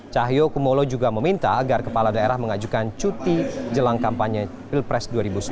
cahyo kumolo juga meminta agar kepala daerah mengajukan cuti jelang kampanye pilpres dua ribu sembilan belas